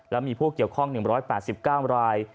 และมีผู้เกี่ยวข้อง๑๘๙ราย